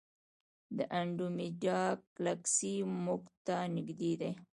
د انډرومیډا ګلکسي موږ ته نږدې ده.